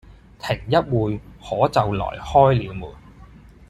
停一會，可就來開了門。